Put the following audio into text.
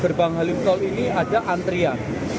gerbang halim tol ini ada antrian